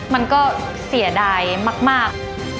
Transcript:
มันก็เสียดายมาก